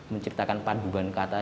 menciptakan paduan kata